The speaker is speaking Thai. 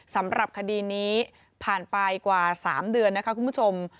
สำหรับคดีนี้ผ่านไปกว่า๓เดือนนะคะคุณผู้ชม